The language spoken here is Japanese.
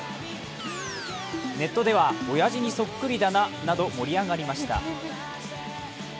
ネットでは親父にそっくりだなと盛り上がりました。